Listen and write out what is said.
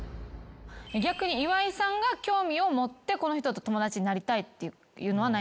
逆に岩井さんが興味を持ってこの人と友達になりたいっていうのはないんですか？